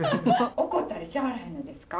怒ったりしはらへんのですか？